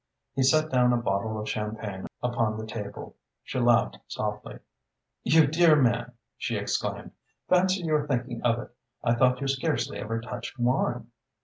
He set down a bottle of champagne upon the table. She laughed softly. "You dear man!" she exclaimed. "Fancy your thinking of it! I thought you scarcely ever touched wine?"